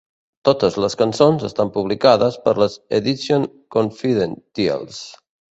Totes les cançons estan publicades per Les Editions Confidentielles.